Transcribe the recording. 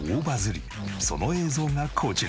その映像がこちら。